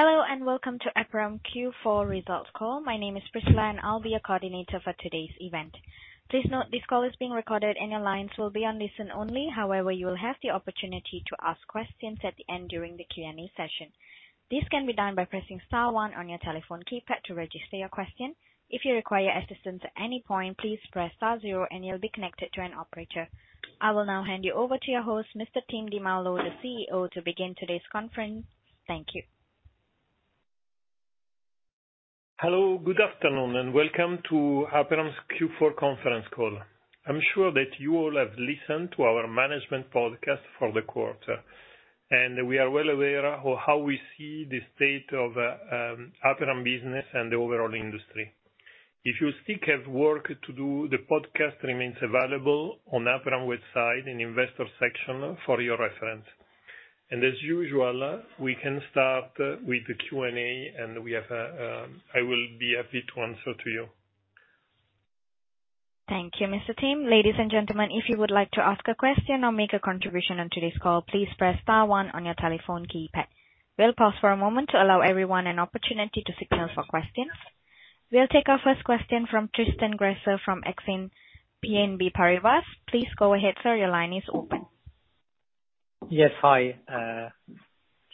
Hello, welcome to Aperam Q4 results call. My name is Priscilla, I'll be your coordinator for today's event. Please note, this call is being recorded, your lines will be on listen only. However, you will have the opportunity to ask questions at the end during the Q&A session. This can be done by pressing star one on your telephone keypad to register your question. If you require assistance at any point, please press star zero you'll be connected to an operator. I will now hand you over to your host, Mr. Timoteo Di Maulo, the CEO, to begin today's conference. Thank you. Hello, good afternoon, and welcome to Aperam's Q4 conference call. I'm sure that you all have listened to our management podcast for the quarter, and we are well aware of how we see the state of Aperam business and the overall industry. If you still have work to do, the podcast remains available on Aperam website in investor section for your reference. As usual, we can start with the Q&A. I will be happy to answer to you. Thank you, Mr. Tim. Ladies and gentlemen, if you would like to ask a question or make a contribution on today's call, please press star one on your telephone keypad. We'll pause for a moment to allow everyone an opportunity to signal for questions. We'll take our first question from Tristan Gresser from Exane BNP Paribas. Please go ahead, sir. Your line is open. Yes. Hi.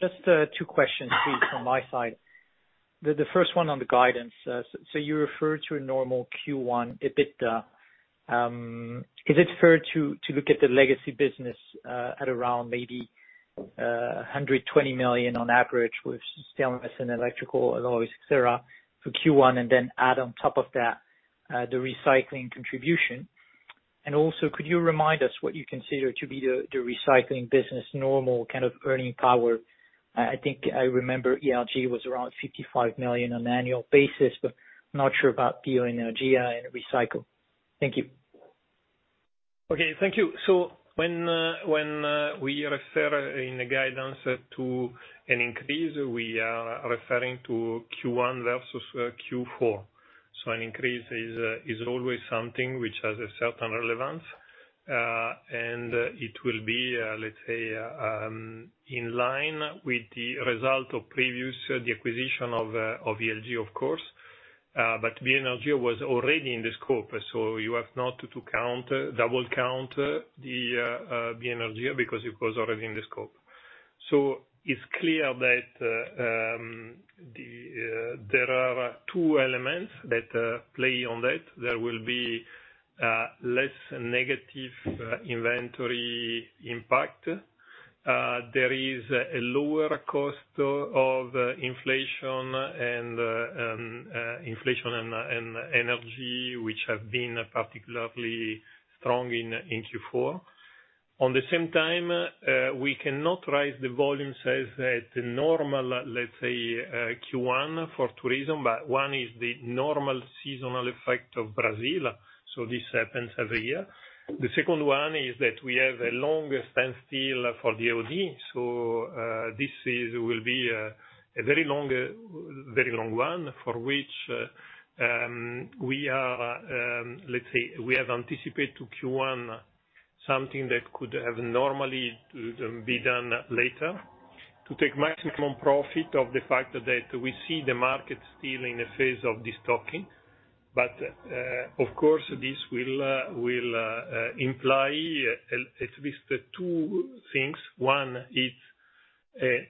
Just two questions, please, from my side. The first one is the guidance. You refer to a normal Q1 EBITDA. Is it fair to look at the legacy business at around maybe 120 million on average with stainless and electrical alloys, et cetera, for Q1, and then add on top of that the recycling contribution? Could you remind us what you consider to be the recycling business's normal kind of earning power? I think I remember ELG was around 55 million on an annual basis, but not sure about BioEnergia and recycling. Thank you. Okay, thank you. When we refer in the guidance to an increase, we are referring to Q1 versus Q4. An increase is always something which has a certain relevance. And it will be, let's say, in line with the result of the previous, the acquisition of ELG, of course. But BioEnergia was already in the scope, you have not to count, double count the BioEnergia because it was already in the scope. It's clear that there are two elements that play on that. There will be less negative inventory impact. There is a lower cost of inflation and energy, which have been particularly strong in Q4. At the same time, we cannot raise the volumes as a normal, let's say, Q1 for two reasons. One is the normal seasonal effect of Brazil, so this happens every year. The second one is that we have a longer standstill for the AOD. This will be a very long one, for which, we are, let's say we have anticipate to Q1 something that could have normally been done later to take maximum profit of the fact that we see the market still in a phase of destocking. Of course, this will imply at least two things. One is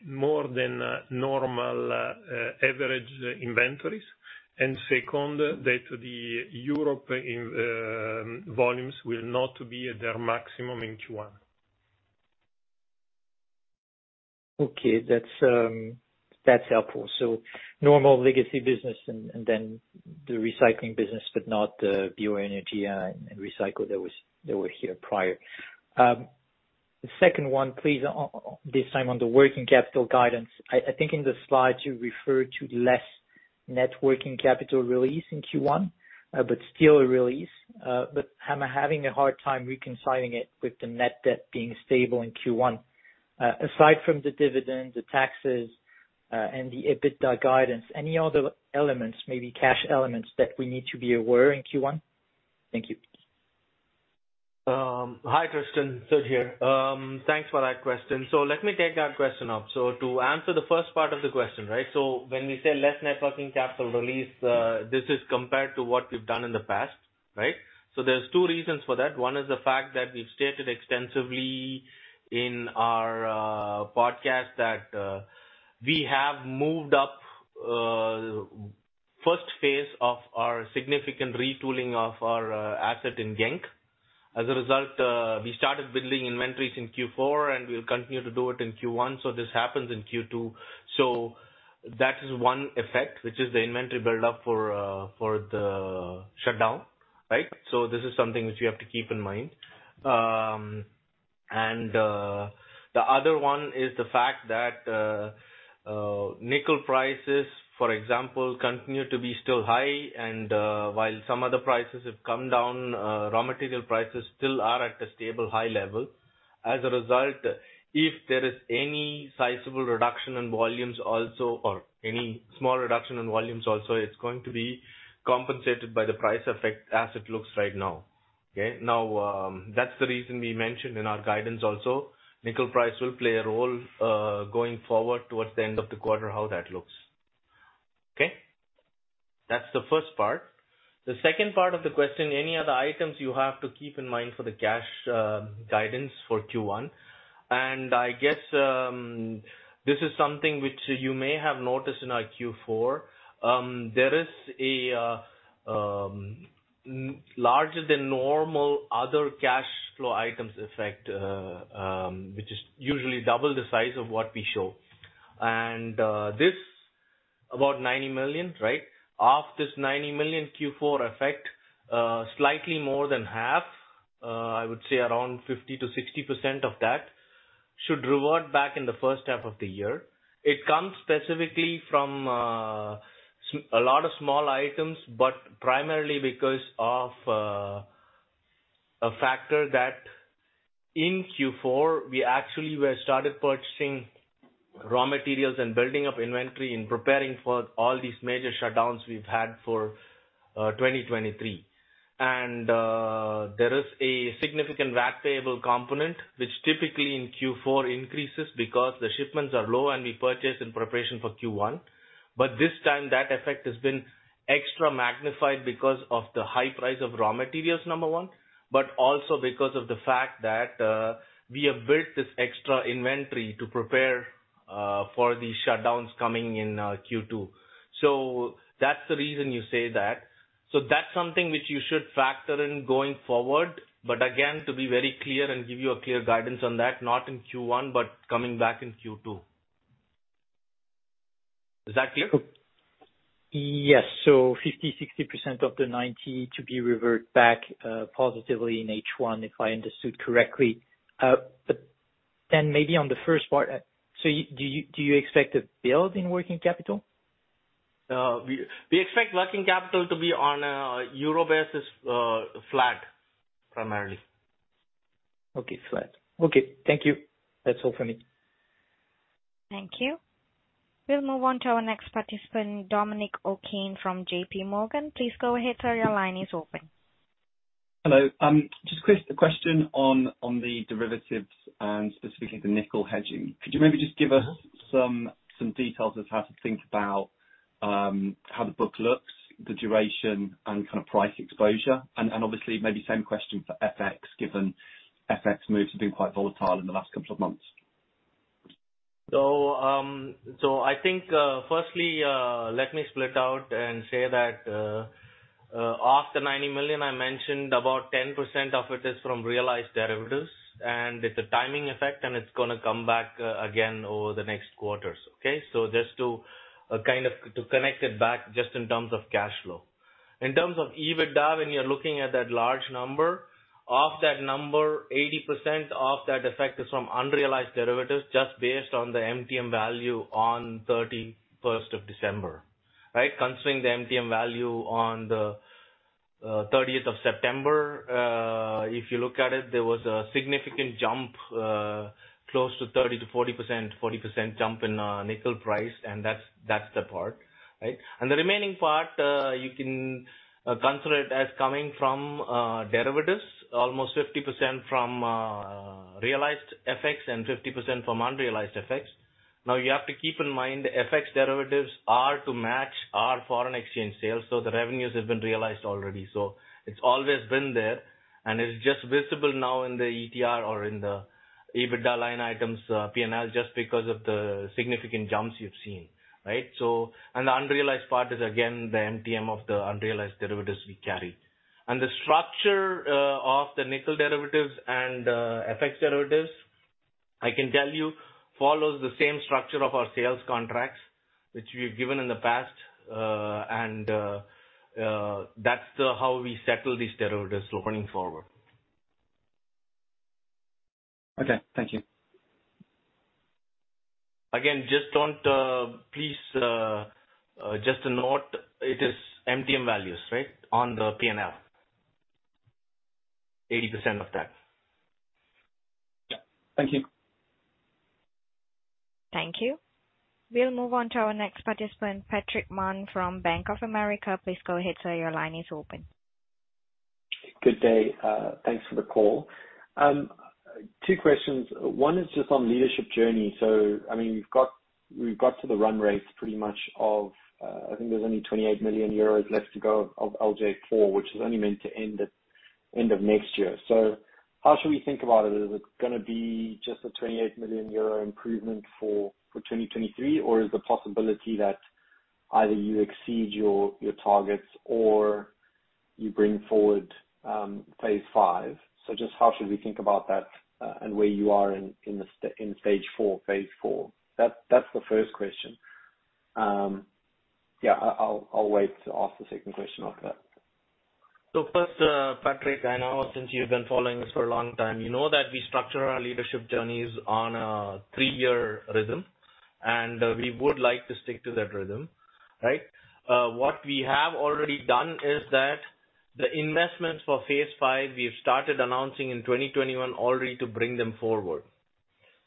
more than normal average inventories. Second, that the European volumes will not be at their maximum in Q1. Okay. That's helpful. Normal legacy business and then the recycling business, but not the BioEnergia and recycle that were here prior. The second one please, this time on the net working capital guidance. I think in the slides you referred to less net working capital release in Q1, but still a release. I'm having a hard time reconciling it with the net debt being stable in Q1. Aside from the dividends, the taxes, and the EBITDA guidance, any other elements, maybe cash elements, that we need to be aware in Q1? Thank you. Hi, Tristan. Sud here. Thanks for that question. Let me take that question up. To answer the first part of the question, right? When we say less net working capital release, this is compared to what we've done in the past, right? There's two reasons for that. One is the fact that we've stated extensively in our podcast that we have moved up first phase of our significant retooling of our asset in Genk. As a result, we started building inventories in Q4, and we'll continue to do it in Q1. This happens in Q2. That is one effect, which is the inventory buildup for the shutdown, right? This is something which you have to keep in mind. The other one is the fact that nickel prices, for example, continue to be still high, and while some other prices have come down, raw material prices still are at a stable high level. As a result, if there is any sizable reduction in volumes also, or any small reduction in volumes also, it's going to be compensated by the price effect as it looks right now. Okay. That's the reason we mentioned in our guidance also. Nickel price will play a role going forward towards the end of the quarter, how that looks. Okay. That's the first part. The second part of the question, any other items you have to keep in mind for the cash guidance for Q1. I guess this is something which you may have noticed in our Q4. There is a larger than normal other cash flow items effect, which is usually double the size of what we show. This about 90 million, right? Of this 90 million Q4 effect, slightly more than half, I would say around 50%-60% of that should revert back in the first half of the year. It comes specifically from a lot of small items, but primarily because of a factor that in Q4 we actually were started purchasing raw materials and building up inventory and preparing for all these major shutdowns we've had for 2023. There is a significant VAT payable component, which typically in Q4 increases because the shipments are low and we purchase in preparation for Q1. This time that effect has been extra magnified because of the high price of raw materials, number one, but also because of the fact that, we have built this extra inventory to prepare for the shutdowns coming in Q2. That's the reason you say that. That's something which you should factor in going forward. Again, to be very clear and give you a clear guidance on that, not in Q1, but coming back in Q2. Is that clear? Yes. 50%, 60% of the 90 to be reverted back, positively in H1, if I understood correctly. maybe on the first part, so do you expect a build in working capital? We expect working capital to be on EUR basis, flat primarily. Okay, flat. Okay, thank you. That's all for me. Thank you. We'll move on to our next participant, Dominic O'Kane from JPMorgan. Please go ahead, sir. Your line is open. Hello. just quick a question on the derivatives and specifically the nickel hedging. Could you maybe just give us. Mm-hmm. -some details of how to think about, how the book looks, the duration, and the kind of price exposure? Obviously, maybe the same question for FX, given FX moves have been quite volatile in the last couple of months. I think, firstly, let me split out and say that of the 90 million, I mentioned, about 10% of it is from realized derivatives, and it's gonna come back again over the next quarters. Okay? Just to connect it back, just in terms of cash flow. In terms of EBITDA, when you're looking at that large number, of that number, 80% of that effect is from unrealized derivatives just based on the MTM value on the 31st of December, right? Considering the MTM value on the 30th of September, if you look at it, there was a significant jump, close to 30%-40%, 40% jump in nickel price, and that's the part, right? The remaining part, you can consider it as coming from derivatives, almost 50% from realized FX and 50% from unrealized FX. You have to keep in mind, that FX derivatives are to match our foreign exchange sales, so the revenues have been realized already. It's always been there, and it's just visible now in the ETR or in the EBITDA line items, P&L, just because of the significant jumps you've seen, right? The unrealized part is again, the MTM of the unrealized derivatives we carry. The structure of the nickel derivatives and FX derivatives, I can tell you, follows the same structure of our sales contracts, which we've given in the past. That's how we settle these derivatives going forward. Okay. Thank you. Again, just don't. Please, just to note, it is MTM values, right, on the P&L. 80% of that. Yeah. Thank you. Thank you. We'll move on to our next participant, Patrick Mann from Bank of America. Please go ahead, sir. Your line is open. Good day. Thanks for the call. Two questions. One is just on the Leadership Journey. I mean, you've got to the run rates pretty much of, I think there's only 28 million euros left to go of LJ4, which is only meant to end at the end of next year. How should we think about it? Is it gonna be just a 28 million euro improvement for 2023? Or is the possibility that either you exceed your targets or you bring forward phase V? Just how should we think about that, and where you are in stage four, phase IV? That's the first question. Yeah, I'll wait to ask the second question after that. First, Patrick, I know that since you've been following us for a long time, you know that we structure our Leadership Journeys on a three-year rhythm, and we would like to stick to that rhythm, right? What we have already done is that the investments for phase V, we've started announcing in 2021 already to bring them forward.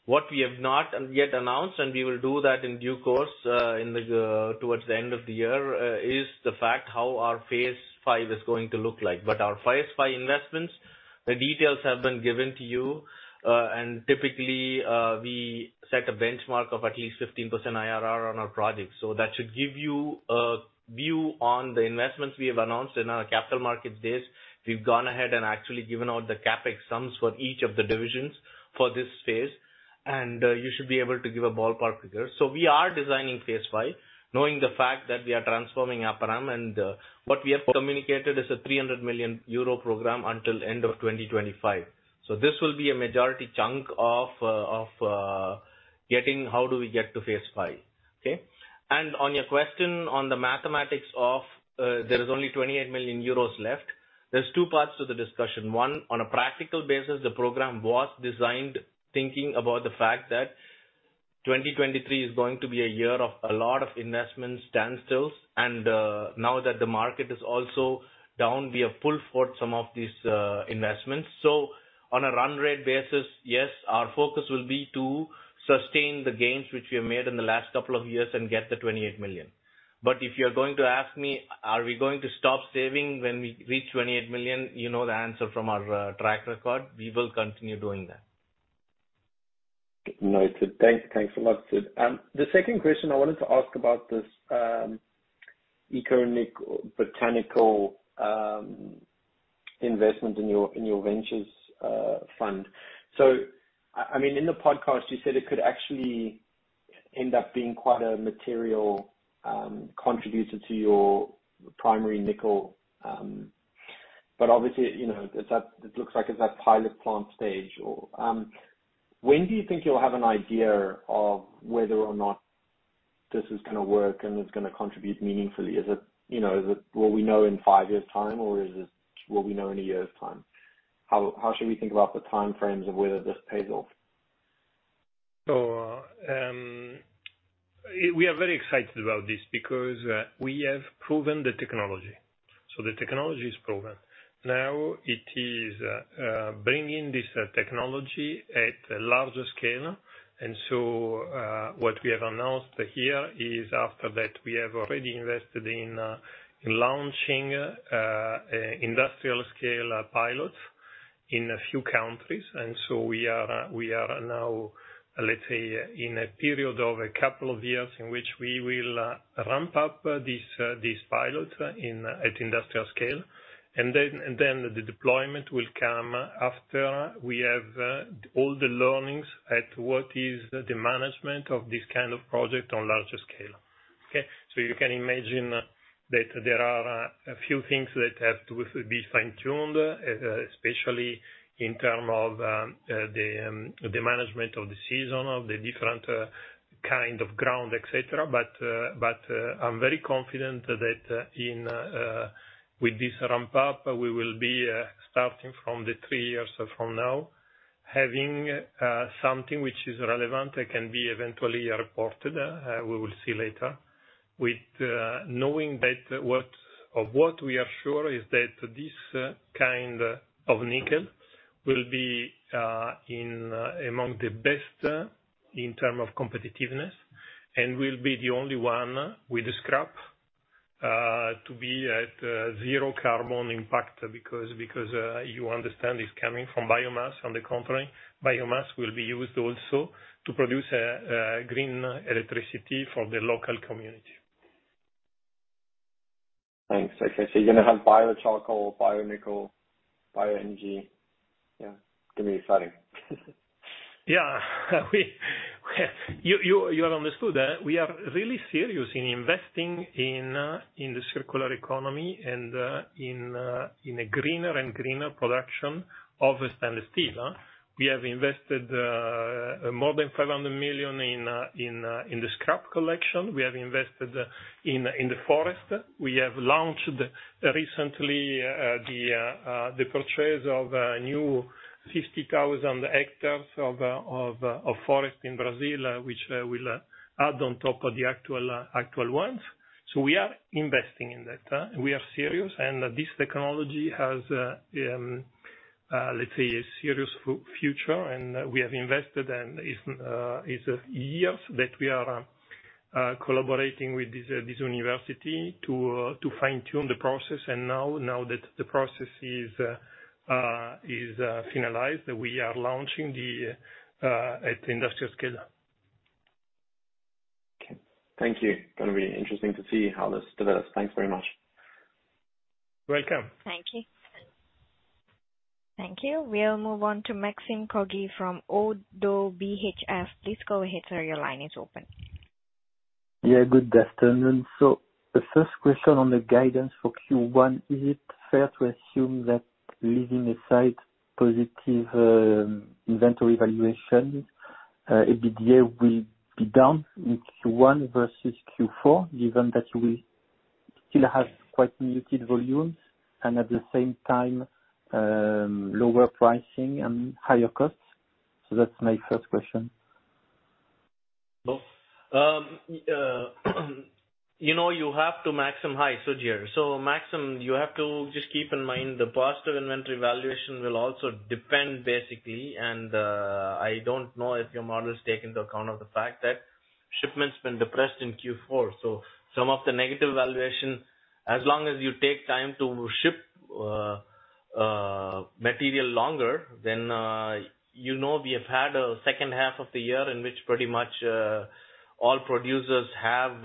What we have not yet announced, and we will do that in due course, towards the end of the year, is the fact how our phase V is going to look like. Our phase V investments, the details have been given to you. And typically, we set a benchmark of at least 15% IRR on our projects. That should give you a view on the investments we have announced in our capital market dates. We've gone ahead and actually given out the CapEx sums for each of the divisions for this phase. You should be able to give a ballpark figure. We are designing phase V, knowing the fact that we are transforming Aperam, what we have communicated is a 300 million euro program until the end of 2025. This will be a majority chunk of getting how do we get to phase V. Okay? On your question on the mathematics of; it there is only 28 million euros left, there are two parts to the discussion. One, on a practical basis, the program was designed thinking about the fact that 2023 is going to be a year of a lot of investment standstills. Now that the market is also down, we have pulled forward some of these investments. On a run rate basis, yes, our focus will be to sustain the gains which we have made in the last couple of years and get the 28 million. If you're going to ask me, are we going to stop saving when we reach 28 million, you know the answer from our track record. We will continue doing that. Noted. Thanks a lot, Sud. The second question I wanted to ask is about this Botanickel investment in your venture fund. I mean, in the podcast, you said it could actually end up being quite a material contributor to your primary nickel, but obviously, you know, it looks like it's at pilot plant stage or? When do you think you'll have an idea of whether or not this is gonna work and it's gonna contribute meaningfully? Is it, you know, will we know in five years' time, or will we know in one year's time? How should we think about the time frames of whether this pays off? We are very excited about this because we have proven the technology. The technology is proven. Now it is bringing this technology to a larger scale. What we have announced here is after that, we have already invested in launching industrial-scale pilots in a few countries. We are now, let's say, in a period of a couple of years in which we will ramp up this pilot in, at industrial scale. Then the deployment will come after we have all the learnings about the management of this kind of project on a larger scale. Okay? You can imagine that there are a few things that have to be fine-tuned, especially in terms of; the management of the season, of the different; kind of ground, et cetera. I'm very confident that with this ramp up, we will be starting from the three years from now, having something which is relevant can be eventually reported, we will see later. With Knowing that of what we are sure is that this kind of nickel will be among the best in terms of competitiveness and will be the only one with the scrap to be at zero carbon, impact because you understand it's coming from biomass on the contrary. Biomass will also be used to produce green electricity for the local community. Thanks. Okay, you're gonna have Bio-charcoal, Botanickel, BioEnergia. Yeah. Gonna be exciting. Yeah. You have understood that we are really serious in investing in the circular economy and in a greener and greener production of the stainless steel. We have invested more than 500 million in the scrap collection. We have invested in the forest. We have recently launched the purchase of new 50,000 hectares of forest in Brazil, which will add on top of the actual ones. We are investing in that. We are serious. This technology has let's say a serious future. We have invested, and it's years that we are collaborating with this university to fine-tune the process. Now that the process is finalized, we are launching the at industrial scale. Okay. Thank you. Gonna be interesting to see how this develops. Thanks very much. Welcome. Thank you. Thank you. We'll move on to Maxime Kogge from ODDO BHF. Please go ahead, sir. Your line is open. Yeah, good afternoon. The first question on the guidance for Q1, is it fair to assume that leaving aside positive, inventory valuation, EBITDA will be down in Q1 versus Q4, given that you will still have quite muted volumes and at the same time, lower pricing and higher costs? That's my first question. You know, you have to Maxime. Hi, Sudhakar. Maxime, you have to just keep in mind the positive inventory valuation will also depend basically. I don't know if your model is taking into account of the fact that shipments been depressed in Q4. Some of the negative valuation, as long as you take time to ship material longer, you know we have had a second half of the year in which pretty much all producers have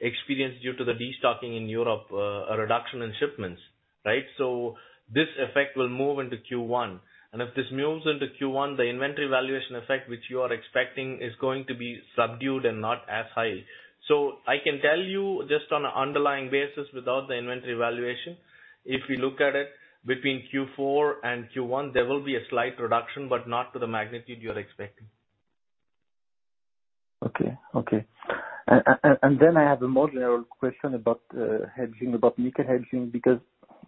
experienced due to the destocking in Europe, a reduction in shipments, right? This effect will move into Q1. If this moves into Q1, the inventory valuation effect, which you are expecting, is going to be subdued and not as high. I can tell you just on an underlying basis, without the inventory valuation, if we look at it between Q4 and Q1, there will be a slight reduction, but not to the magnitude you're expecting. Okay. Okay. Then I have a more general question about hedging, about nickel hedging.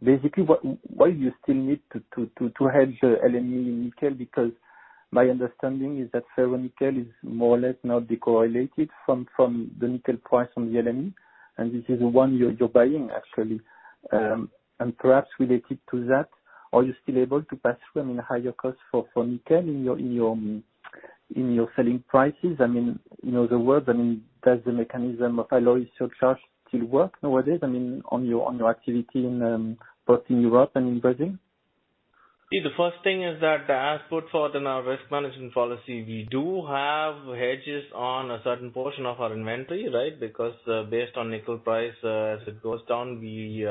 Basically, why do you still need to hedge LME in nickel? My understanding is that ferronickel is more or less now de-correlated from the nickel price on the LME, and this is the one you're buying actually. Perhaps related to that, are you still able to pass through, I mean, higher costs for nickel in your selling prices? I mean, you know the word, I mean, does the mechanism of alloy surcharge still work nowadays, I mean, on your activity in both in Europe and in Brazil? See, the first thing is that, as put forward in our risk management policy, we do have hedges on a certain portion of our inventory, right? Based on nickel price, as it goes down, we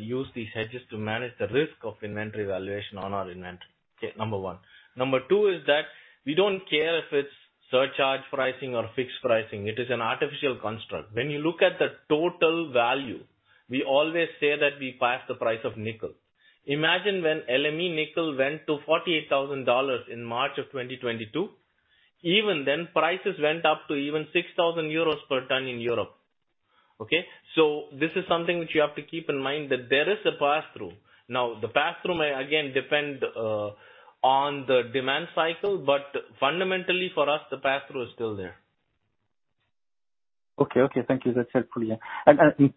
use these hedges to manage the risk of inventory valuation on our inventory. Okay, number one. Number two is that we don't care if it's surcharge pricing or fixed pricing. It is an artificial construct. When you look at the total value, we always say that we price the price of nickel. Imagine when LME Nickel went to $48,000 in March of 2022. Even then, prices went up to even 6,000 euros per ton in Europe. Okay? This is something which you have to keep in mind that there is a pass-through. The pass-through may again depend on the demand cycle, but fundamentally for us the pass-through is still there. Okay. Okay. Thank you. That's helpful, yeah.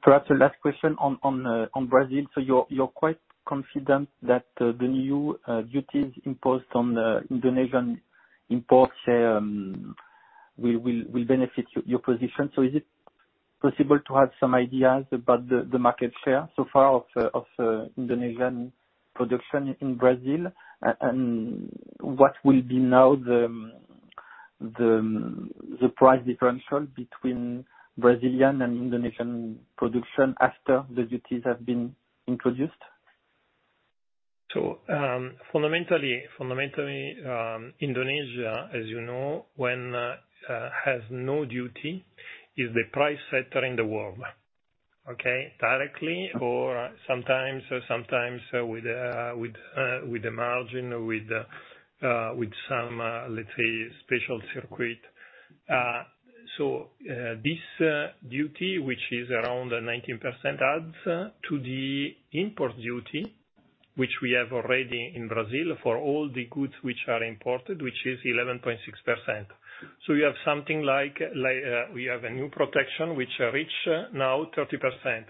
Perhaps a last question on Brazil. You're quite confident that the new duties imposed on the Indonesian imports will benefit your position. Is it possible to have some ideas about the market share so far of Indonesian production in Brazil? What will be now the price differential between Brazilian and Indonesian production after the duties have been introduced? Fundamentally, fundamentally, Indonesia, as you know, when has no duty, is the price setter in the world, okay? Directly or sometimes with the margin, with some, let's say special circuit. This duty, which is around 19%, adds to the import duty, which we have already in Brazil for all the goods which are imported, which is 11.6%. You have something like we have a new protection which reach now 30%,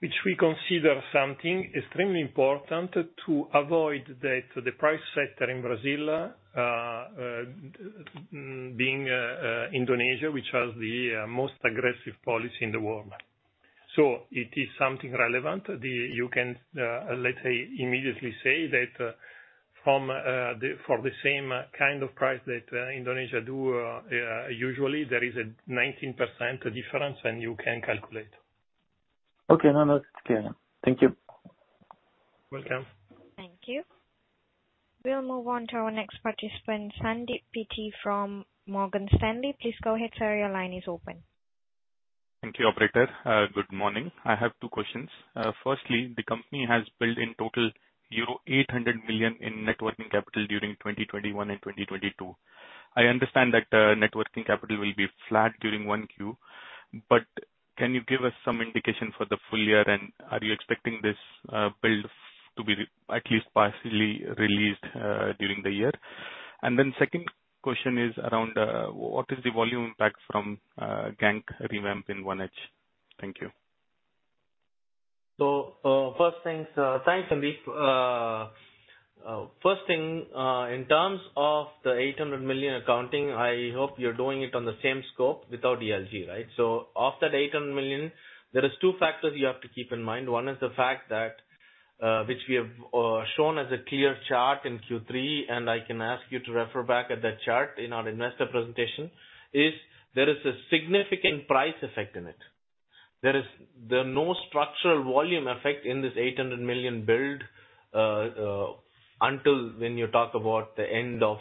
which we consider something extremely important to avoid the price setter in Brazil being Indonesia, which has the most aggressive policy in the world. It is something relevant. The... You can, let's say, immediately say that, from, the, for the same kind of price that, Indonesia do, usually there is a 19% difference and you can calculate. Okay, now that's clear. Thank you. Welcome. Thank you. We'll move on to our next participant, Sandeep Peety from Morgan Stanley. Please go ahead, sir. Your line is open. Thank you, operator. Good morning. I have two questions. Firstly, the company has built in total euro 800 million in net working capital during 2021 and 2022. I understand that net working capital will be flat during 1Q. Can you give us some indication for the full year? Are you expecting this build to be at least partially released during the year? Second question is around what is the volume impact from the Genk revamp in 1H? Thank you. First thanks, Sandeep. First thing, in terms of the 800 million accounting, I hope you're doing it on the same scope without ELG, right? Of that 800 million, there is two factors you have to keep in mind. One is the fact that, which we have shown as a clear chart in Q3, and I can ask you to refer back at that chart in our investor presentation, is there is a significant price effect in it. There are no structural volume effect in this 800 million build, until when you talk about the end of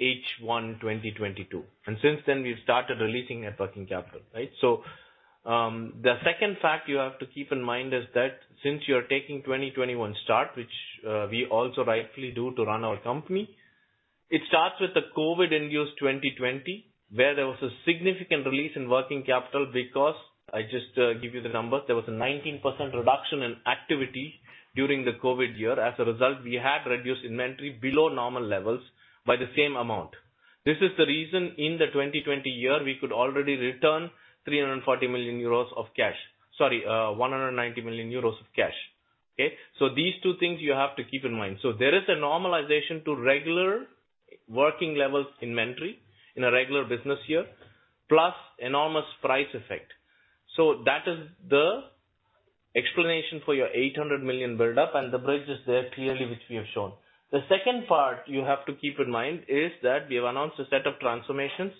H1 2022. Since then we've started releasing net working capital, right? The second fact you have to keep in mind is that since you're taking 2021 start, which we also rightfully do to run our company, it starts with the COVID induced 2020, where there was a significant release in working capital because I just give you the numbers. There was a 19% reduction in activity during the COVID year. As a result, we had reduced inventory below normal levels by the same amount. This is the reason in the 2020 year we could already return 340 million euros of cash. Sorry, 190 million euros of cash. Okay? These two things you have to keep in mind. There is a normalization to regular working levels inventory in a regular business year, plus enormous price effect. That is the explanation for your 800 million build-up, and the bridge is there clearly, which we have shown. The second part you have to keep in mind is that we have announced a set of transformations.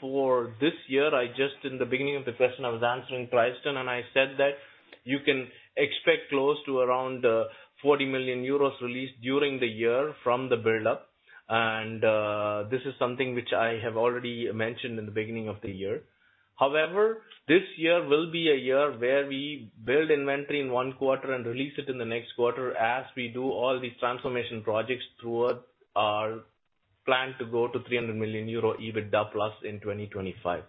For this year, I just in the beginning of the question I was answering, Tristan, and I said that you can expect close to around 40 million euros released during the year from the build-up. This is something which I have already mentioned in the beginning of the year. However, this year will be a year where we build inventory in one quarter and release it in the next quarter as we do all these transformation projects towards our plan to go to 300 million euro EBITDA plus in 2025.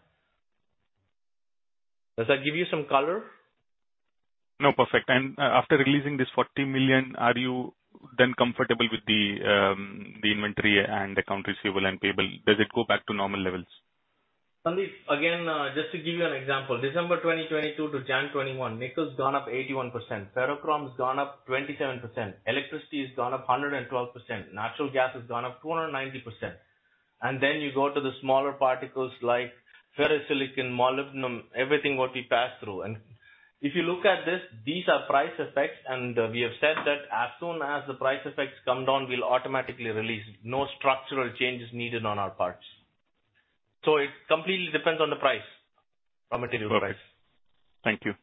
Does that give you some color? No, perfect. After releasing this 40 million, are you then comfortable with the inventory and account receivable and payable? Does it go back to normal levels? Sandeep, again, just to give you an example, December 2022 to January 2021, nickel's gone up 81%, ferrochrome has gone up 27%, electricity has gone up 112%, natural gas has gone up 290%. Then you go to the smaller particles like ferrosilicon, molybdenum, everything what we pass through. If you look at this, these are price effects, and, we have said that as soon as the price effects come down, we'll automatically release. No structural change is needed on our parts. It completely depends on the price, raw material price. Okay. Thank you.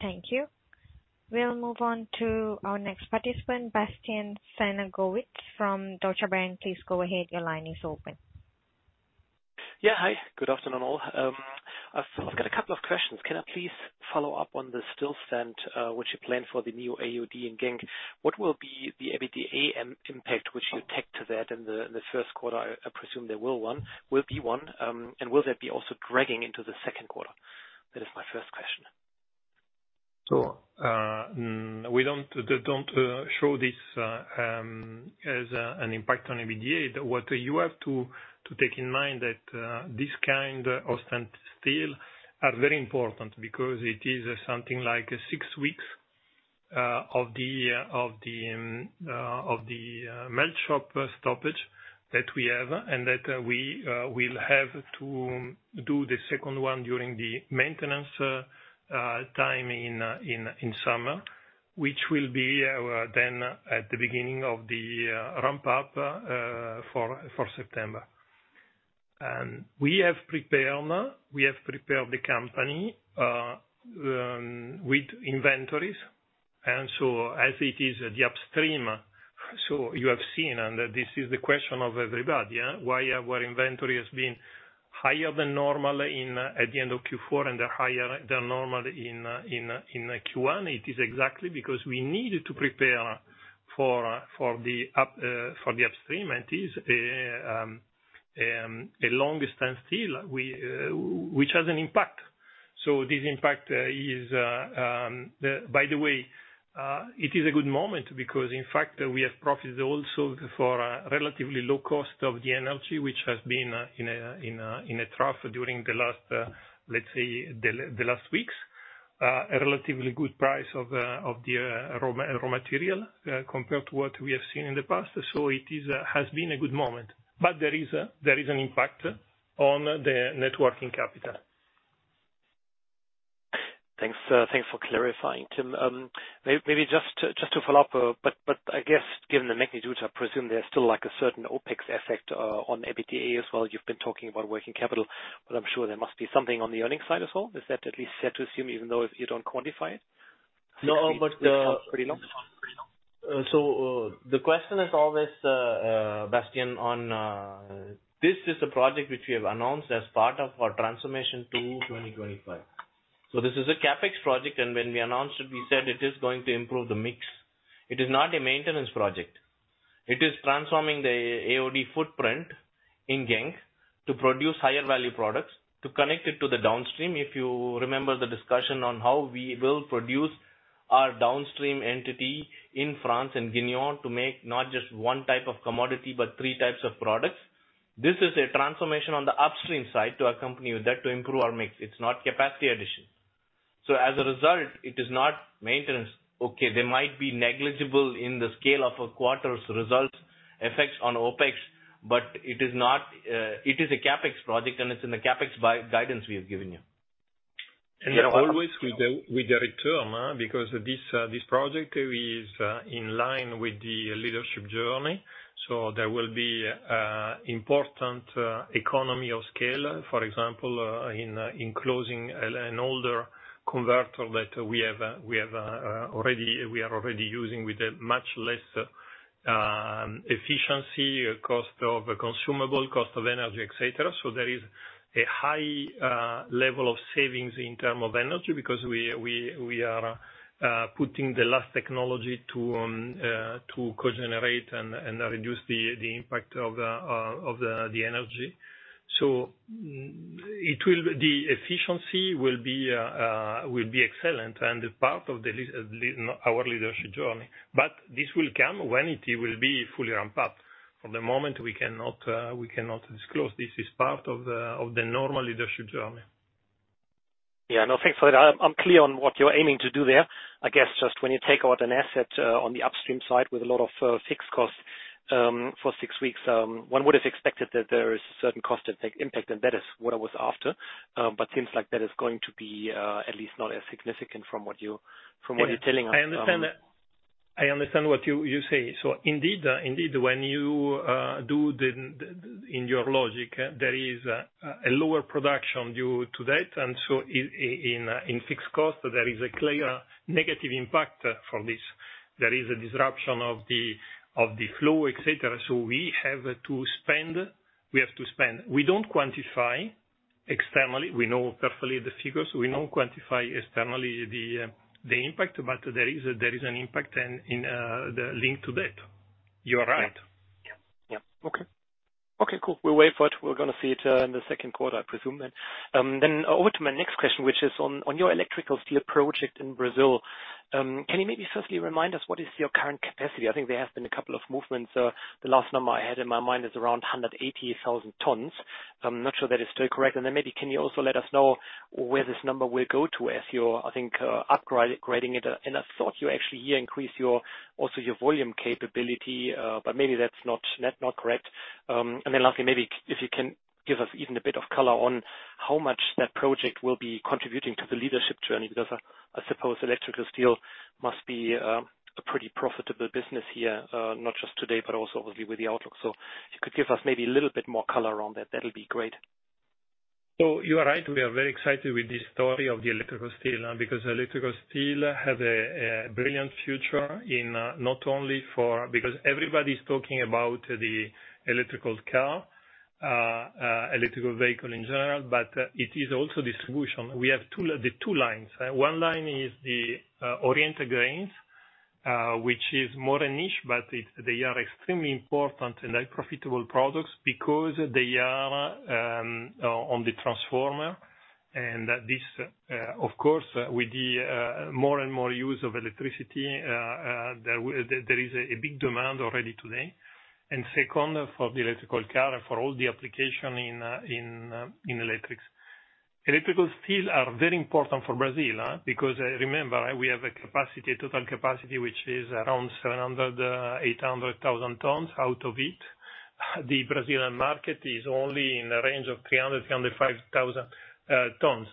Thank you. We'll move on to our next participant, Bastian Synagowitz from Deutsche Bank. Please go ahead. Your line is open. Yeah. Hi. Good afternoon, all. I've got a couple of questions. Can I please follow up on the steel stand, which you plan for the new AOD in Genk? What will be the EBITDA impact which you take to that in the first quarter? I presume there will be one. Will that also be dragged into the second quarter? That is my first question. We don't show this as an impact on EBITDA. What you have to take in mind that this kind of stainless steel is very important because it is something like six weeks of the melt shop stoppage that we have and that we will have to do the second one during the maintenance time in summer, which will then be at the beginning of the ramp up for September. We have prepared the company with inventories. As it is the upstream, you have seen, and this is the question of everybody, yeah, why our inventory has been higher than normal in, at the end of Q4 and higher than normal in Q1. It is exactly because we need to prepare for the upstream. It is a long-standing steel we which has an impact. This impact is, by the way, it is a good moment because in fact we have profits also for a relatively low cost of the energy, which has been in a trough during the last, let's say, the last weeks. A relatively good price of the raw material compared to what we have seen in the past. It is has been a good moment. There is an impact on the net working capital. Thanks, thanks for clarifying, Tim. Maybe just to, just to follow up. I guess given the magnitude, I presume there's still like a certain OpEx effect on EBITDA as well. You've been talking about working capital, I'm sure there must be something on the earnings side as well. Is that at least set to assume even though you don't quantify it? No, but... pretty long. The question is always, Bastian, on, this is a project which we have announced as part of our transformation to 2025. This is a CapEx project, and when we announced it, we said it is going to improve the mix. It is not a maintenance project. It is transforming the AOD footprint in Genk to produce higher-value products to connect it to the downstream. If you remember the discussion on how we will produce our downstream entity in France, in Gueugnon, to make not just one type of commodity, but three types of products. This is a transformation on the upstream side to accompany that to improve our mix. It's not capacity addition. As a result, it is not maintenance. Okay, there might be negligible in the scale of a quarter's results effects on OpEx, but it is not, it is a CapEx project and it's in the CapEx by guidance we have given you. Always with the, with the return, because this project is in line with the Leadership Journey®. There will be important economy of scale. For example, in closing an older converter that we are already using with a much less efficiency, cost of consumable, cost of energy, et cetera. There is a high level of savings in term of energy because we are putting the last technology to cogenerate and reduce the impact of the energy. The efficiency will be excellent and part of our Leadership Journey®. This will come when it will be fully ramped up. For the moment, we cannot disclose. This is part of the normal Leadership Journey. Yeah, no, thanks for that. I'm clear on what you're aiming to do there. I guess just when you take out an asset, on the upstream side with a lot of fixed costs, for six weeks, one would have expected that there is a certain cost impact, and that is what I was after. Seems like that is going to be, at least not as significant from what you're, from what you're telling us. I understand what you say. Indeed, when you do it your logic, there is a lower production due to that. In fixed costs, there is a clear negative impact from this. There is a disruption of the flow, et cetera. We have to spend. We don't quantify externally. We know the figures carefully. We don't quantify the impact externally, but there is an impact and the link to that. You are right. Yeah. Yeah. Okay. Okay, cool. We'll wait for it. We're gonna see it in the second quarter, I presume, then. Over to my next question, which is on your electrical steel project in Brazil, can you maybe firstly remind us what your current capacity is? I think there have been a couple of movements. The last number I had in my mind is around 180,000 tons. I'm not sure that is still correct. Maybe you can also let us know where this number will go to as you're, I think, upgrading it. I thought you actually here increase your, also your volume capability, but maybe that's not correct. Lastly, maybe if you can give us even a bit of color on how much that project will be contributing to the Leadership Journey, because I suppose electrical steel must be a pretty profitable business here, not just today, but also obviously with the outlook. If you could give us maybe a little bit more color on that'll be great. You are right. We are very excited with this story of the electrical steel, because electrical steel has a brilliant future in not only for... Because everybody's talking about the electrical car, electrical vehicle in general, but it is also distribution. We have the two lines. One line is the oriented grains, which is more a niche, but they are extremely important and profitable products because they are on the transformer. This, of course, with the more and more use of electricity, there is a big demand already today. Second, for the electrical car, for all the application in in electrics. Electrical steel are very important for Brazil because remember, we have a capacity, total capacity, which is around 700,000-800,000 tons out of it. The Brazilian market is only in the range of 300,000-305,000 tons.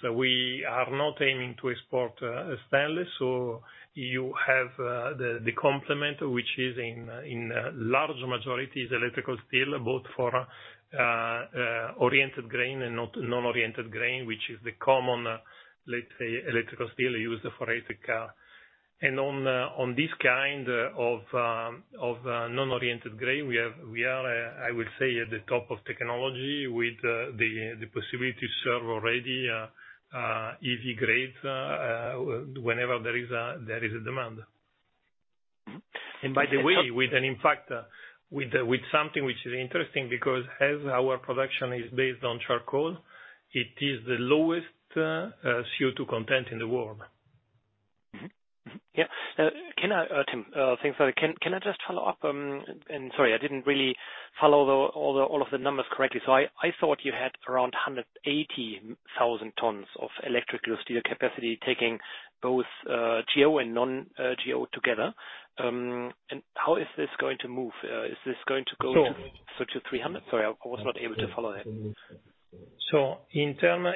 We are not aiming to export stainless. You have the complement, which is in large majority is electrical steel, both for grain-oriented and non-grain-oriented, which is the common, let’s say, electrical steel used for electric car. On this kind of non-grain-oriented, we are, I would say, at the top of technology with the possibility to serve already easy grades whenever there is a demand. By the way, with an impact, with something which is interesting because as our production is based on charcoal, it is the lowest, CO2 content in the world. Can I, Tim, thanks for that. Can I just follow up, sorry, I didn't really follow all of the numbers correctly. I thought you had around 180,000 tons of electrical steel capacity taking both GO and non GO together. How is this going to move? Is this going to So- to 300? Sorry, I was not able to follow that. In term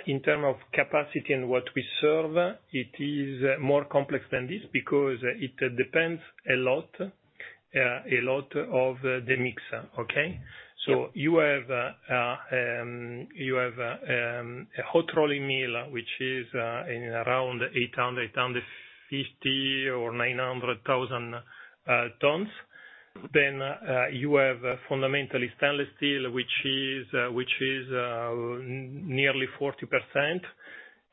of capacity and what we serve, it is more complex than this because it depends a lot, a lot of the mix, okay? Yeah. You have a hot rolling mill, which is around 800, 850 or 900,000 tons. You have fundamentally stainless steel, which is nearly 40%.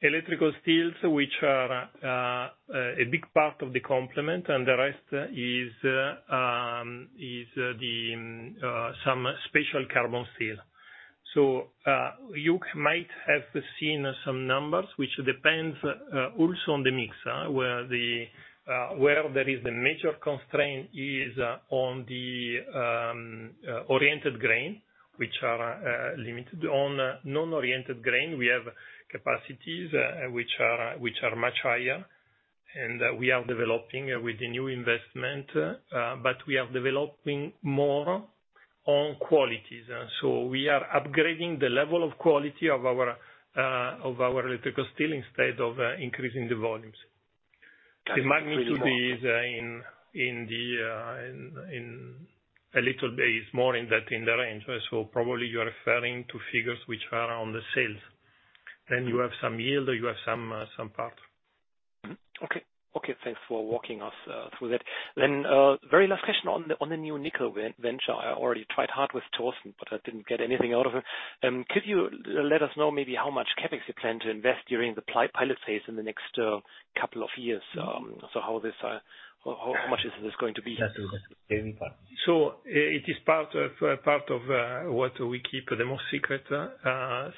Electrical steels, which are a big part of the complement, and the rest is some special carbon steel. You might have seen some numbers which depends also on the mix, where there is the major constraint is on the grain-oriented, which are limited. On non-grain-oriented, we have capacities which are much higher, and we are developing with the new investment, but we are developing more on qualities. We are upgrading the level of quality of our electrical steel instead of increasing the volumes. That's really. The magnitude is in the, in a little bit is more in the range. Probably you're referring to figures which are on the sales. You have some yield, you have some part. Okay. Okay, thanks for walking us through that. Very last question on the new nickel venture. I already tried hard with Thorsten, but I didn't get anything out of him. Could you let us know maybe how much CapEx you plan to invest during the pilot phase in the next couple of years? How much is this going to be? It is part of what we keep the most secret,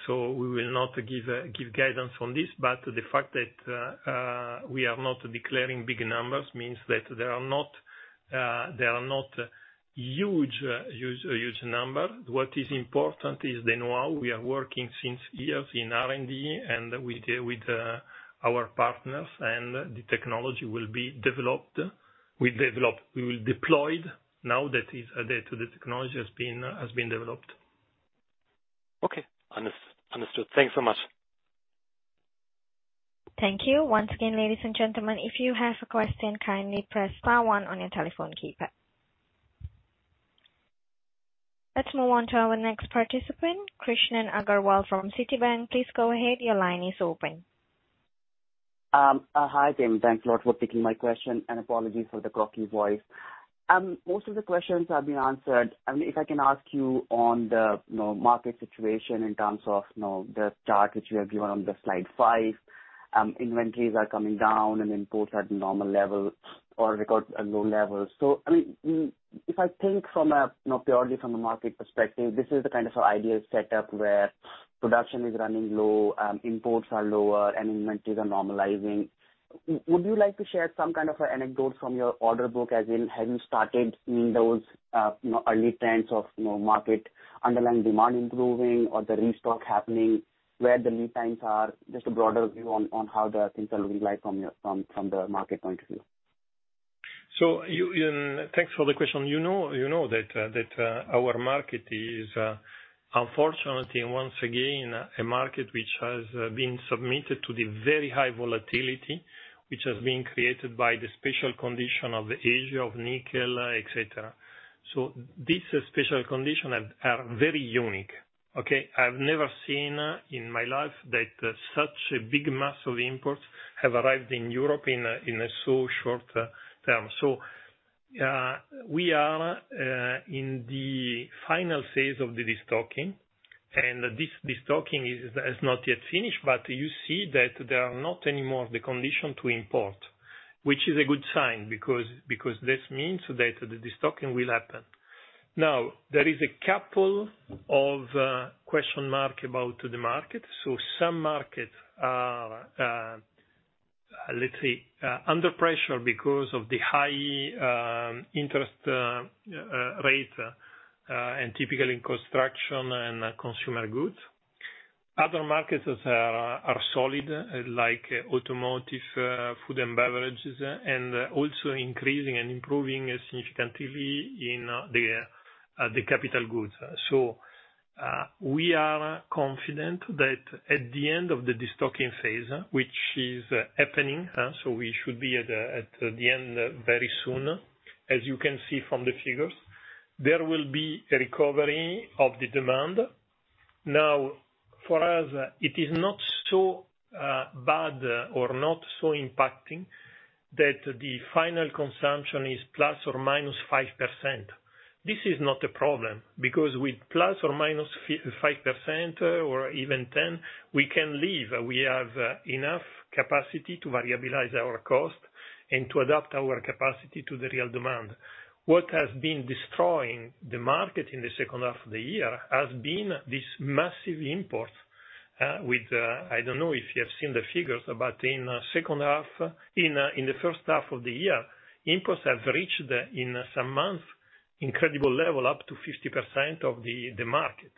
so we will not give guidance on this. The fact that we are not declaring big numbers means that there are not huge, huge, huge numbers. What is important is the know-how. We are working since years in R&D, and we deal with our partners, and the technology will be developed. We will deployed now that is the technology has been developed. Okay. Understood. Thanks so much. Thank you. Once again, ladies and gentlemen, if you have a question, kindly press star one on your telephone keypad. Let's move on to our next participant, Krishan Agarwal from Citibank. Please go ahead. Your line is open. Hi, team. Thanks a lot for taking my question, and apologies for the croaky voice. Most of the questions have been answered. I mean, if I can ask you on the, you know, market situation in terms of, you know, the chart which you have given on the slide five, inventories are coming down and imports are at normal levels or record low levels. I mean, if I think from a, you know, purely from a market perspective, this is the kind of ideal setup where production is running low, imports are lower and inventories are normalizing. Would you like to share some kind of an anecdote from your order book, as in, have you started seeing those, you know, early trends of, you know, market underlying demand improving or the restock happening, where the lead times are? Just a broader view on how the things are looking like from the market point of view. You, thanks for the question. You know, you know that our market is unfortunately once again a market which has been submitted to the very high volatility which has been created by the special condition of the Asia of nickel, et cetera. These special conditions are very unique, okay? I've never seen in my life that such a big mass of imports have arrived in Europe in a so short term. We are in the final phase of the destocking, and this destocking has not yet finished, but you see that there are not any more of the condition to import, which is a good sign because this means that the destocking will happen. There is a couple of question mark about the market. Some markets are, let's say, under pressure because of the high interest rate, and typically in construction and consumer goods. Other markets are solid, like automotive, food and beverages, and also increasing and improving significantly in the capital goods. We are confident that at the end of the destocking phase, which is happening, we should be at the end very soon, as you can see from the figures, there will be a recovery of the demand. Now, for us, it is not so bad or not so impacting that the final consumption is ±5%. This is not a problem because with ±5% or even 10, we can live. We have enough capacity to variabilize our cost and to adapt our capacity to the real demand. What has been destroying the market in the second half of the year has been this massive imports, with I don't know if you have seen the figures, but in the first half of the year, imports have reached, in some months, incredible levels, up to 50% of the market.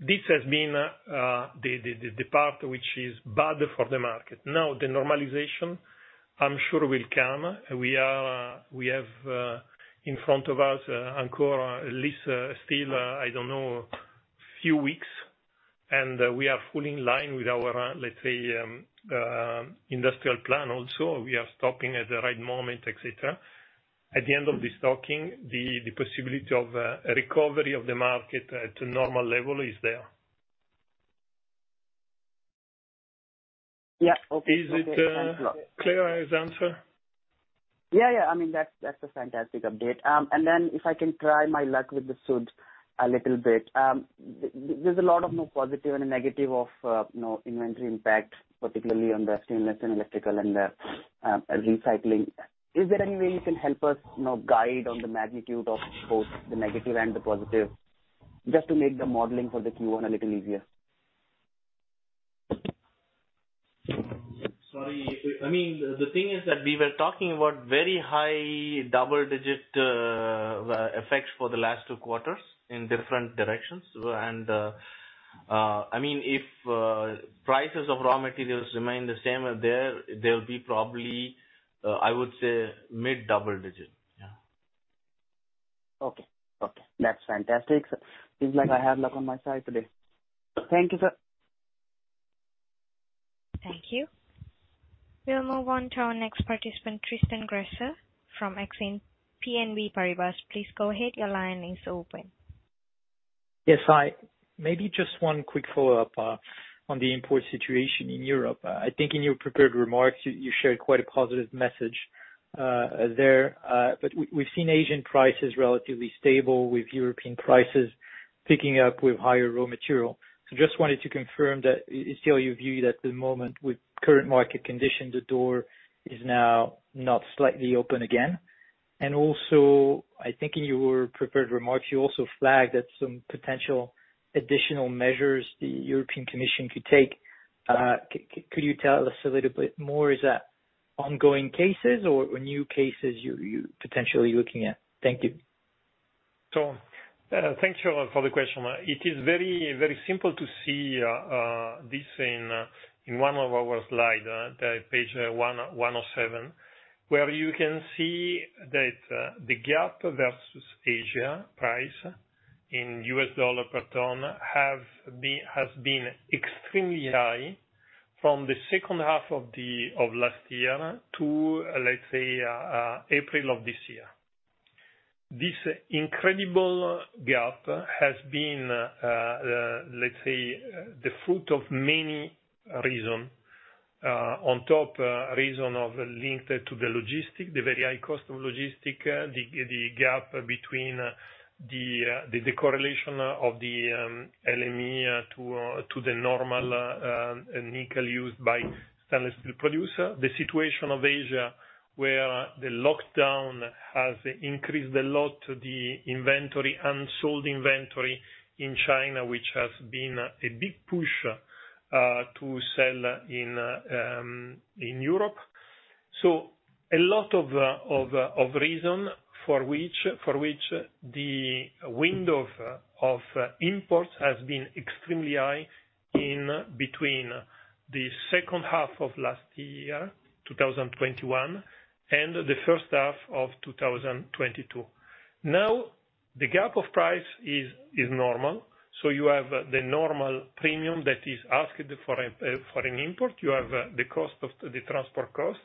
This has been the part which is bad for the market. The normalization I'm sure, will come. We have in front of us Ancora, at least, still, I don't know, a few weeks, and we are fully in line with our, let's say, industrial plan also. We are stopping at the right moment, et cetera. At the end of destocking, the possibility of recovery of the market to normal level is there. Yeah. Okay. Is it clear, this answer? Yeah, yeah. I mean, that's a fantastic update. If I can try my luck with the Sud a little bit. There's a lot of, you know, positive and a negative of, you know, inventory impact, particularly on the stainless and electrical and recycling. Is there any way you can help us, you know, guide on the magnitude of both the negative and the positive, just to make the modeling for the Q1 a little easier? Sorry. I mean, the thing is that we were talking about very high double digit effects for the last two quarters in different directions. I mean, if prices of raw materials remain the same there, they'll be probably, I would say mid double digit. Yeah. Okay. Okay. That's fantastic, sir. Seems like I have luck on my side today. Thank you, sir. Thank you. We'll move on to our next participant, Tristan Gresser from Exane BNP Paribas. Please go ahead. Your line is open. Yes, hi. Maybe just one quick follow-up on the import situation in Europe. I think in your prepared remarks, you shared quite a positive message there. We've seen Asian prices relatively stable with European prices picking up with higher raw material. Just wanted to confirm that is still your view that the moment with current market conditions, the door is now not slightly open again? Also, I think in your prepared remarks, you also flagged that some potential additional measures the European Commission could take. Could you tell us a little bit more, is that ongoing cases or new cases you're potentially looking at? Thank you. Thank you for the question. It is very simple to see this in one of our slide, the page 107, where you can see that the gap versus Asia price in US dollar per ton has been extremely high from the second half of last year to, let's say, April of this year. This incredible gap has been, let's say, the fruit of many reasons. The top reason of linked to the logistic, the very high cost of logistic, the gap between the correlation of the LME to the normal nickel used by stainless steel producers. The situation of Asia, where the lockdown has increased a lot the inventory, unsold inventory in China, which has been a big push to sell in Europe. A lot of reason for which, for which the wind of imports has been extremely high in between the second half of last year, 2021, and the first half of 2022. Now, the gap of price is normal, so you have the normal premium that is asked for an import. You have the cost of the transport cost.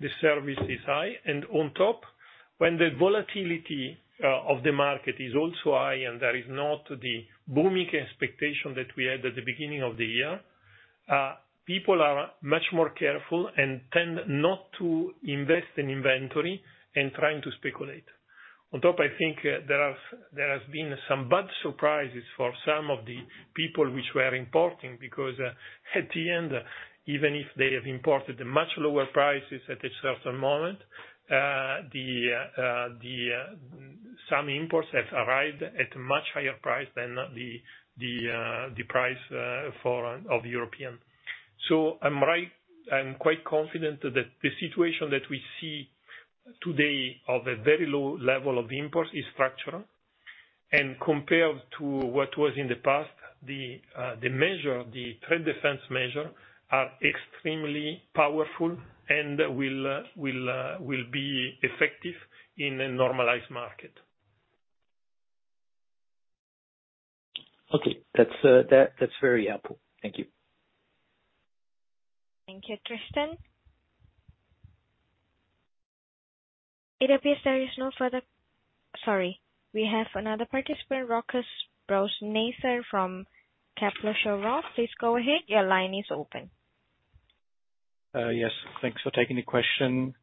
The service is high. On top, when the volatility of the market is also high and there is not the booming expectation that we had at the beginning of the year, people are much more careful and tend not to invest in inventory and trying to speculate. On top, I think, there has been some bad surprises for some of the people which were importing, because at the end, even if they have imported much lower prices at a certain moment, some imports have arrived at a much higher price than the price for of European. I'm quite confident that the situation that we see today of a very low level of imports is structural. Compared to what was in the past, the measure, the trade defense measure are extremely powerful and will be effective in a normalized market. Okay. That's very helpful. Thank you. Thank you, Tristan. It appears there is no further... Sorry. We have another participant, Rochus Brauneiser from Kepler Cheuvreux. Please go ahead. Your line is open. Yes. Thanks for taking the question.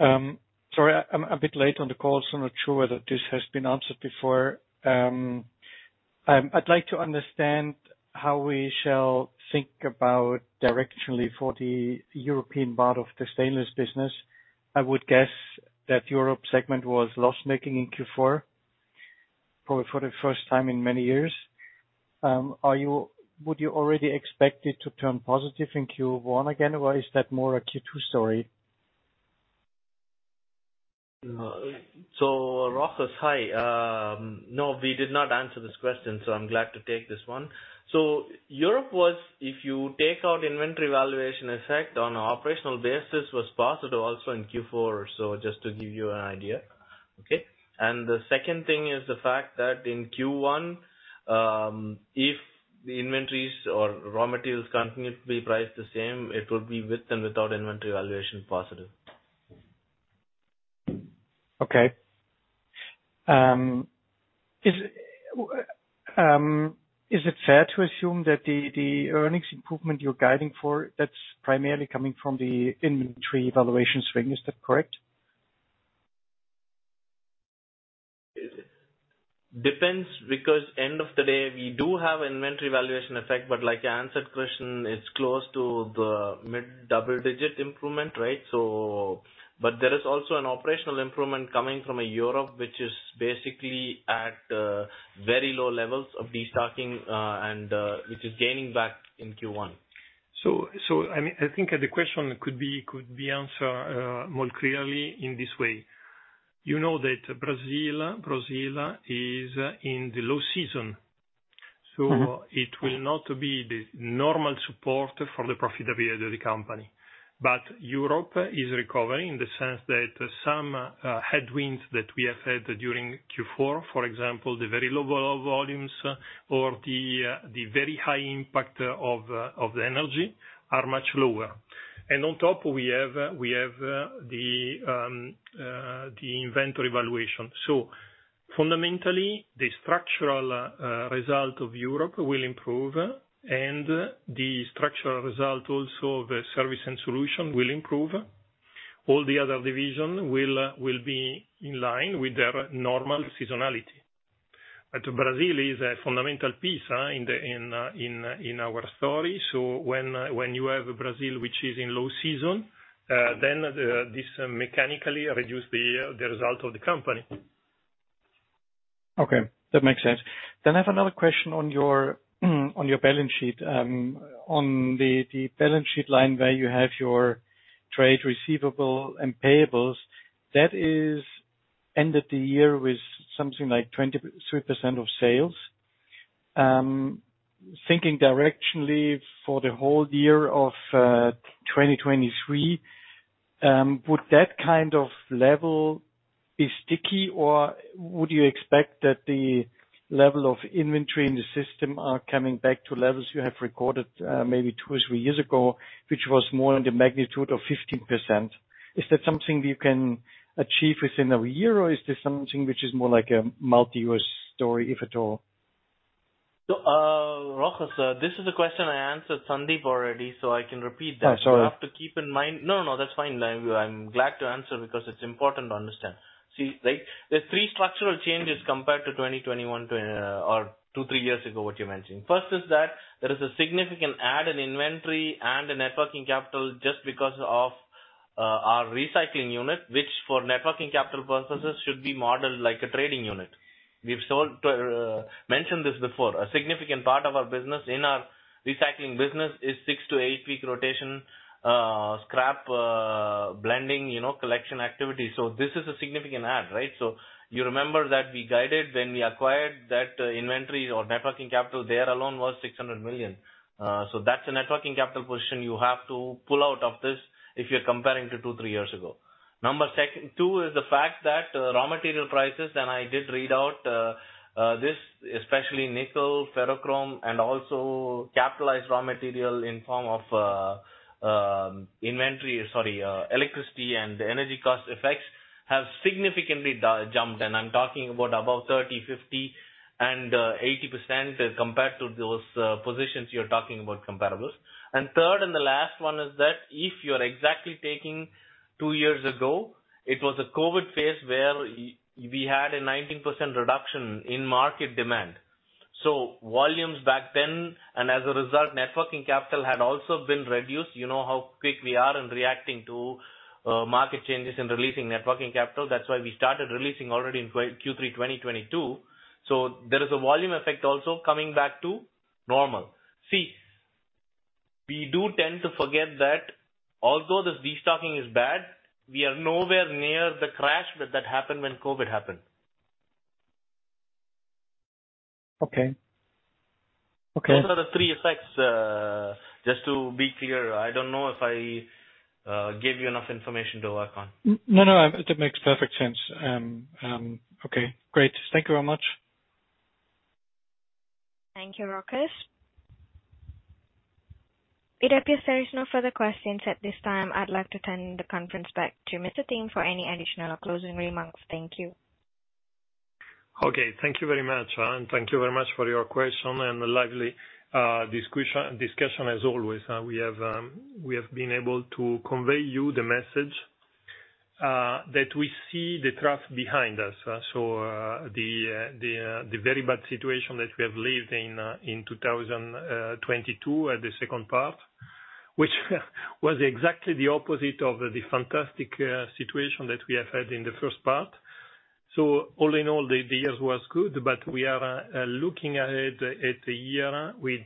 Sorry, I'm a bit late on the call, so I'm not sure whether this has been answered before. I'd like to understand how we shall think about directionally for the European part of the stainless business. I would guess that Europe segment was loss-making in Q4 for the first time in many years. Would you already expect it to turn positive in Q1 again, or is that more a Q2 story? Rochus, hi. No, we did not answer this question, so I'm glad to take this one. Europe was, if you take out inventory valuation effect on operational basis, was positive also in Q4. Just to give you an idea. Okay? The second thing is the fact that in Q1, if the inventories or raw materials continue to be priced the same, it will be with and without inventory valuation positive. Okay. Is it fair to assume that the earnings improvement you're guiding for, that's primarily coming from the inventory valuation swing? Is that correct? Depends, because end of the day, we do have inventory valuation effect, but like I answered question, it's close to the mid-double digit improvement, right? There is also an operational improvement coming from Europe, which is basically at very low levels of destocking, and which is gaining back in Q1. I mean, I think the question could be answered, more clearly in this way. You know that Brazil is in the low season. Mm-hmm. It will not be the normal support for the profitability of the company. Europe is recovering in the sense that some headwinds that we have had during Q4, for example, the very low volumes or the very high impact of the energy, are much lower. On top we have the inventory valuation. Fundamentally, the structural result of Europe will improve and the structural result also of the service and solution will improve. All the other division will be in line with their normal seasonality. Brazil is a fundamental piece in our story. When you have Brazil, which is in low season, this mechanically reduce the result of the company. Okay, that makes sense. I have another question on your, on your balance sheet. On the balance sheet line where you have your trade receivable and payables, that is ended the year with something like 20% of sales. Thinking directionally for the whole year of 2023, would that kind of level be sticky or would you expect that the level of inventory in the system are coming back to levels you have recorded, maybe two or three years ago, which was more in the magnitude of 15%? Is that something you can achieve within a year, or is this something which is more like a multi-year story, if at all? Rochus, this is a question I answered Sandeep already, so I can repeat that. Oh, sorry. You have to keep in mind. No, that's fine. I'm glad to answer because it's important to understand. See, like, there's three structural changes compared to 2021 to or two, three years ago what you're mentioning. First is that there is a significant add in inventory and a net working capital just because of our recycling unit, which for net working capital purposes should be modeled like a trading unit. We've sold, mentioned this before. A significant part of our business in our recycling business is 6-8-week rotation, scrap blending, you know, collection activity. This is a significant add, right? You remember that we guided when we acquired that inventory or net working capital, there alone was 600 million. That's a networking capital portion you have to pull out of this if you're comparing to two, three years ago. Number two is the fact that raw material prices, I did read out this especially nickel, ferrochrome, and also capitalized raw material in form of inventory... Sorry, electricity and the energy cost effects have significantly jumped. I'm talking about above 30%, 50%, and 80% compared to those positions you're talking about comparables. Third and the last one is that if you're exactly taking two years ago, it was a COVID phase where we had a 19% reduction in market demand. Volumes back then, and as a result, networking capital had also been reduced. You know how quick we are in reacting to market changes and releasing networking capital. That's why we started releasing already in Q3 2022. There is a volume effect also coming back to normal. We do tend to forget that although this destocking is bad, we are nowhere near the crash that happened when COVID happened. Okay. Okay. Those are the three effects, just to be clear. I don't know if I gave you enough information to work on. No, no, it makes perfect sense. Okay, great. Thank you very much. Thank you, Rochus. It appears there is no further questions at this time. I'd like to turn the conference back to Mr. Tim for any additional closing remarks. Thank you. Okay. Thank you very much. Thank you very much for your question and the lively discussion as always. We have been able to convey you the message that we see the draft behind us. The very bad situation that we have lived in in 2022 at the second part, which was exactly the opposite of the fantastic situation that we have had in the first part. All in all, the year was good, but we are looking ahead at the year with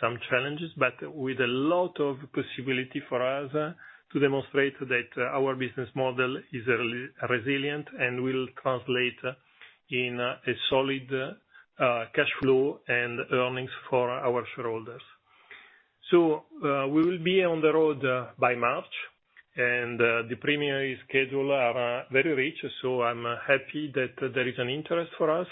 some challenges, but with a lot of possibility for us to demonstrate that our business model is resilient and will translate into a solid cash flow and earnings for our shareholders. We will be on the road by March, and the preliminary schedule are very rich, so I'm happy that there is an interest for us.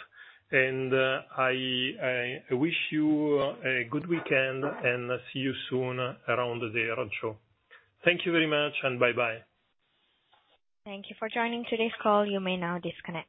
I wish you a good weekend, and see you soon around the roadshow. Thank you very much, and bye-bye. Thank you for joining today's call. You may now disconnect.